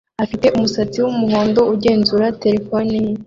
afite umusatsi wumuhondo ugenzura terefone ye